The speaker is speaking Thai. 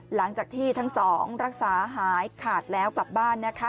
หลังจากที่ทั้งสองรักษาหายขาดแล้วกลับบ้านนะคะ